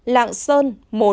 một lạng sơn